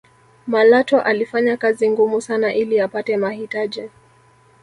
malatwa alifanya kazi ngumu sana ili apate mahitaji